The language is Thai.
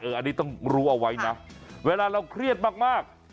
อันนี้ต้องรู้เอาไว้นะเวลาเราเครียดมาก